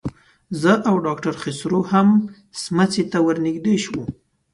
زه او ډاکټر خسرو هم سموڅې ته ورنږدې شو.